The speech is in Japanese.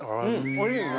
おいしいですね。